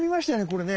これね。